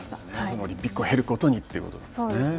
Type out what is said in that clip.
オリンピックを経るごとにということですね。